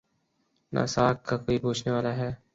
نہ ساکھ کا کوئی پوچھنے والا ہے۔